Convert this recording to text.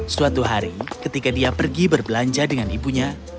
suatu hari ketika dia pergi berbelanja dengan ibunya